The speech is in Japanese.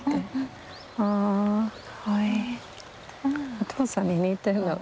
お父さんに似てるよ。